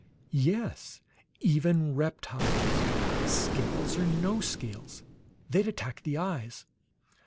"Yes; even reptiles, scales or no scales. They'd attack the eyes."